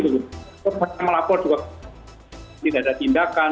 banyak yang melapor juga tidak ada tindakan